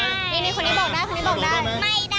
นี่มีคนที่บอกได้